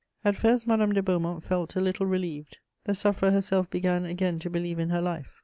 At first, Madame de Beaumont felt a little relieved. The sufferer herself began again to believe in her life.